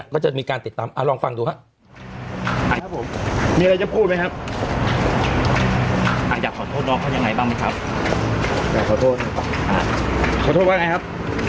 ก็จะมีการติดตามลองฟังดูครับ